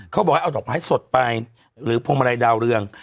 เขาบอกให้เอาดอกไม้สดไปหรือพวงมาลัยดาวเรือง